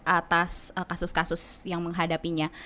atas kasus kasus yang menghadapinya